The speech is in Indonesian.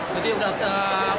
jadi udah terbakar